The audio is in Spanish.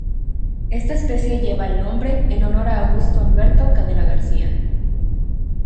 Esta especie lleva el nombre en honor a Augusto Alberto Cadena-García.